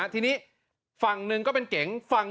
ทีนี้ฝั่งหนึ่งก็เป็นเก๋ง